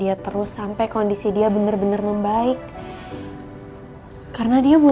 aku tau lo kalo gue bakal mengerjakan engkau